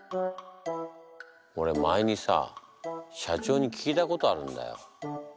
俺前にさ社長に聞いたことあるんだよ。